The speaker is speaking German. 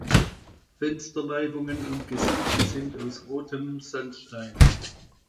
Fensterlaibungen und Gesimse sind aus rotem Sandstein.